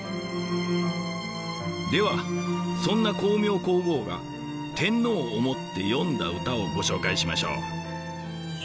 ではそんな光明皇后が天皇を思って詠んだ歌をご紹介しましょう。